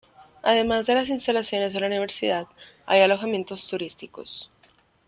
Además de las instalaciones de la universidad, hay alojamientos turísticos.